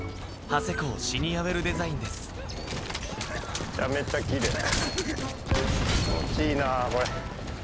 めちゃめちゃキレイ気持ちいいなぁこれ。